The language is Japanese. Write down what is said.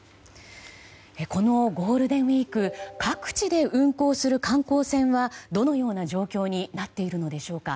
このゴールデンウィーク各地で運航する観光船はどのような状況になっているのでしょうか。